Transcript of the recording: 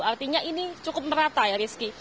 artinya ini cukup merata ya rizky